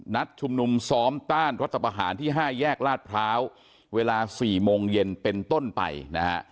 ชุมนุมซ้อมต้านรัฐประหารที่๕แยกลาดพร้าวเวลา๔โมงเย็นเป็นต้นไปนะฮะ